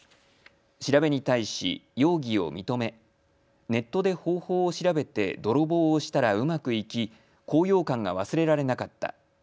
調べに対し容疑を認め、ネットで方法を調べて泥棒をしたらうまくいき高揚感が忘れられなかった。